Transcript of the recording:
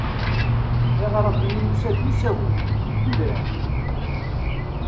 Iɣrem-nni yusa-d usawen, deg udrar.